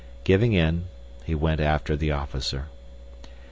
Giving in, he went after the officer.